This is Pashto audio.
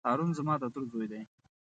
هارون زما د تره زوی دی.